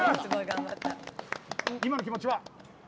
今の気持ちは？